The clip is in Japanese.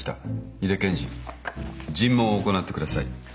井出検事尋問を行ってください。